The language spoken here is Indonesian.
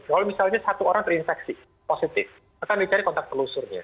kalau misalnya satu orang terinfeksi positif akan dicari kontak telusurnya